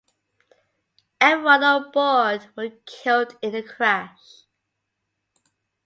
Everyone on board were killed in the crash.